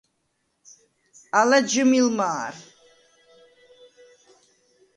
ალა ჯჷმილ მა̄რ.